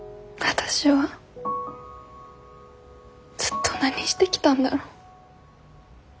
私はずっと何してきたんだろう。